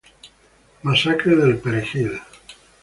Masacre del Perejil.